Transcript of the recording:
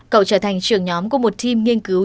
cậu trở thành trưởng nhóm của một thim nghiên cứu